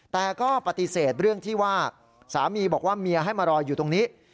แต่ก็ปฏิเสธเรื่องที่ว่าสามีบอกว่าเมียให้มารออยู่ตรงนี้